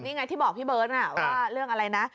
นี่ไงที่บอกพี่เบิร์ตว่าเรื่องอะไรนะ